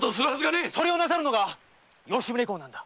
それをなさるのが吉宗公なのだ！